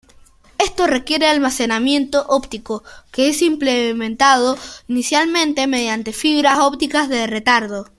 Esto requiere almacenamiento óptico que es implementado inicialmente mediante fibras ópticas de retardo.